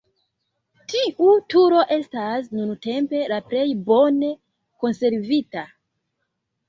Tiu turo estas nuntempe la plej bone konservita.